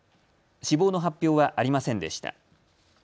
死亡の発表はありませんでした。